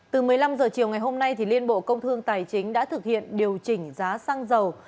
từ một mươi năm h chiều ngày hôm nay liên bộ công thương tài chính đã thực hiện điều chỉnh giá xăng dầu